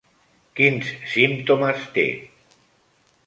Quins símptomes té?